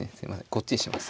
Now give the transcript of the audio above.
こっちにします。